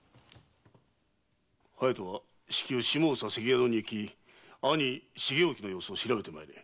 隼人は至急下総関宿に行き兄・重意の様子を調べて参れ。